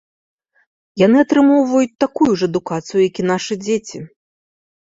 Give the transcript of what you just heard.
Яны атрымоўваюць такую ж адукацыю, як і нашы дзеці.